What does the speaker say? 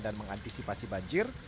dan mengantisipasi banjir